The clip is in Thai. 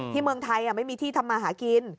เมืองไทยไม่มีที่ทำมาหากิน